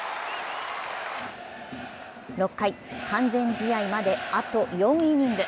６回、完全試合まで、あと４イニング。